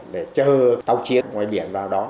để chờ tàu chiến ngoài biển vào đó